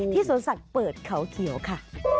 สวนสัตว์เปิดเขาเขียวค่ะ